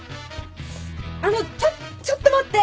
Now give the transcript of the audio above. あのちょちょっと待って！